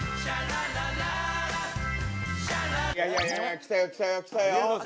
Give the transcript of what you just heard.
来たよ来たよ来たよ！